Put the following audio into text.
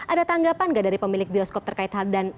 ada tanggapan nggak dari pemilik bioskop terkait hal dan